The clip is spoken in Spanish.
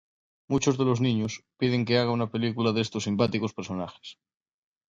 Muchos de los niños piden que hagan una película de estos simpáticos personajes.